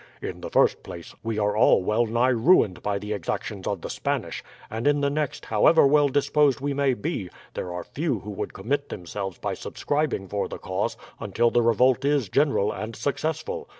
In the first place, we are all well nigh ruined by the exactions of the Spanish; and in the next, however well disposed we may be, there are few who would commit themselves by subscribing for the cause until the revolt is general and successful.